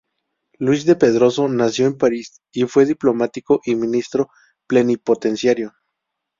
Luis de Pedroso nació en París, y fue diplomático y ministro plenipotenciario.